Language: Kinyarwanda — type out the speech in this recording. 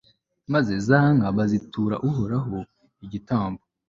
maze za nka bazitura uhoraho ho igitambo